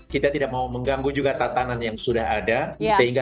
kita tidak mau mengganggu juga tatanan yang sudah ada